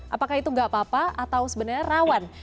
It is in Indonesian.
apakah itu nggak apa apa atau sebenarnya rawan